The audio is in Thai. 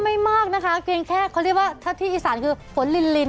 ไม่มากนะคะเพียงแค่เขาเรียกว่าถ้าที่อีสานคือฝนลินลิน